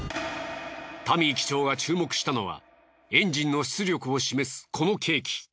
タミー機長が注目したのはエンジンの出力を示すこの計器。